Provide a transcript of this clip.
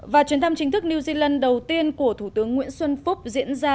và chuyến thăm chính thức new zealand đầu tiên của thủ tướng nguyễn xuân phúc diễn ra